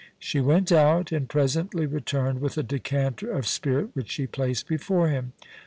* She went out, and presently returned with a decanter of spirit which she placed before him.